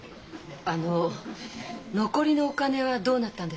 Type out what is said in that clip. あの残りのお金はどうなったんですか？